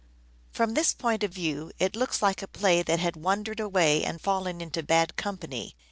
From this point of view it looks like a play that had wandered away and fallen into bad company.